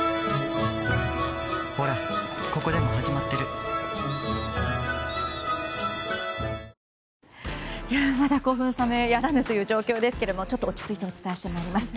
このあとも歴史的な勝利をまだ興奮冷めやらぬという状況ですけどちょっと落ち着いてお伝えしてまいります。